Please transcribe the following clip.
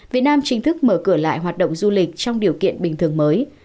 việt nam chính thức mở cửa lại hoạt động du lịch trong điều kiện bình thường mới